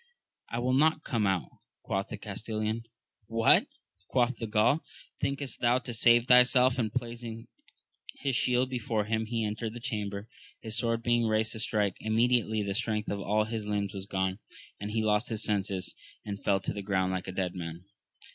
I will not come out, quoth the Castellan. What ! quoth he of Gaul, thinkost thou so to save thyself ? and placing his shield before him he entered the chamber, his sword being raised to strike ; immediately the strength of all his limbs was gone, and he lost his senses, and fell to the ground like a dead man.